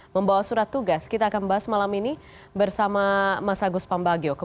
membawa surat tugas kita akan bahas malam ini bersama mas agus pambagio